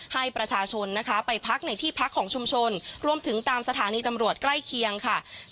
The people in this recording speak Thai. ให้ประชาชนนะคะไปพักในที่พักของชุมชนรวมถึงตามสถานีตำรวจใกล้เคียงค่ะ